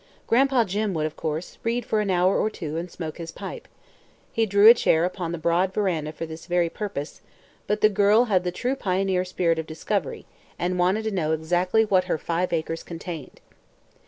Gran'pa Jim would, of course, read for an hour or two and smoke his pipe; he drew a chair upon the broad veranda for this very purpose; but the girl had the true pioneer spirit of discovery and wanted to know exactly what her five acres contained.